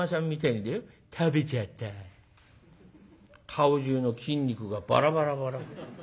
顔中の筋肉がバラバラバラバラ。